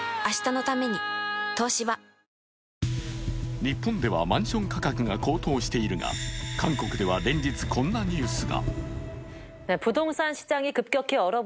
日本ではマンション価格が高騰しているが韓国では連日こんなニュースが。